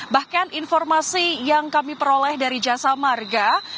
bahkan informasi yang kami peroleh dari jasa marga